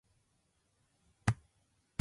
醤油をとってください